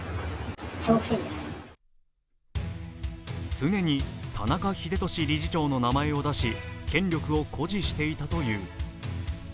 常に田中英寿理事長の名前を出し権力を誇示していたという。